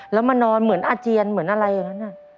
แล้วมานอนเหมือนอาเจียนเหมือนอะไรอย่างนั้น